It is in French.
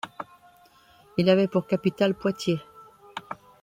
Il avait pour capitale Poitiers.